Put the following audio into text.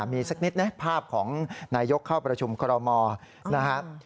มีสักนิดภาพของนายกเข้าประชุมครมนะฮะ